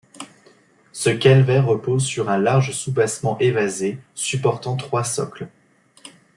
Ce calvaire repose sur un large soubassement évasé, supportant trois socles.